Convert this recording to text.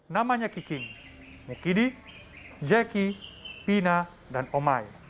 namanya kiking mukidi jeki pina dan omai